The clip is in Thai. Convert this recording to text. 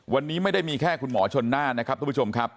วันนี้ไม่ได้มีแค่คุณหมอชนน่านนะครับทุกผู้ชมครับ